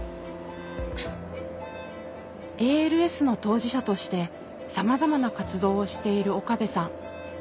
ＡＬＳの当事者としてさまざまな活動をしている岡部さん。